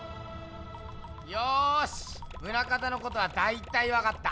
よし棟方のことはだいたいわかった。